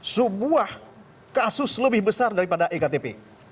sebuah kasus lebih besar daripada ektp